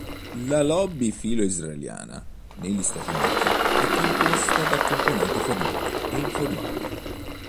La lobby filo-israeliana negli Stati Uniti è composta da componenti formali e informali.